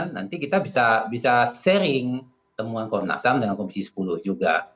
nanti kita bisa sharing temuan komnas ham dengan komisi sepuluh juga